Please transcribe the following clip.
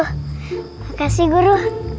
terima kasih guru